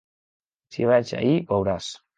Si vaig ahí veuràs!